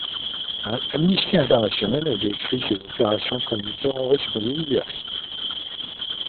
Amnesty International a décrit ces opérations comme du terrorisme délibéré.